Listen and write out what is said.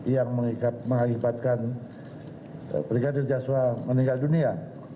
yang mengakibatkan brigadir joshua meninggal dunia